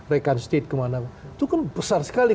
rekan state kemana itu kan besar sekali